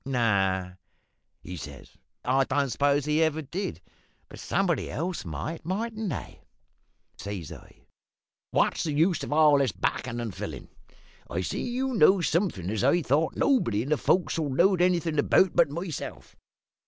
"`No,' he says, `I don't suppose he ever did; but somebody else might, mightn't they?' "Says I, `What's the use of all this backin' and fillin'? I see you knows somethin' as I thought nobody in the fo'c's'le knowed anything about but myself.